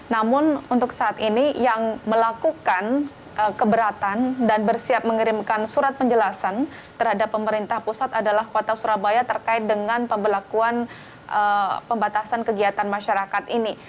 namun untuk saat ini yang melakukan keberatan dan bersiap mengirimkan surat penjelasan terhadap pemerintah pusat adalah kota surabaya terkait dengan pembelakuan pembatasan kegiatan masyarakat ini